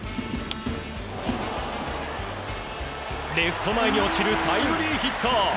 レフト前に落ちるタイムリーヒット。